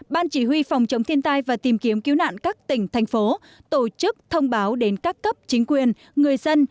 ban chỉ huy phòng chống thiên tai và tìm kiếm cứu nạn các tỉnh thành phố tổ chức thông báo đến các cấp chính quyền người dân